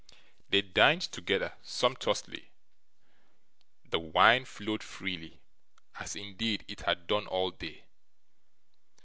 They dined together, sumptuously. The wine flowed freely, as indeed it had done all day.